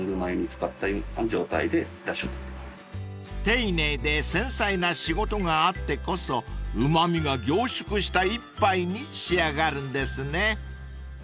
［丁寧で繊細な仕事があってこそうま味が凝縮した一杯に仕上がるんですね］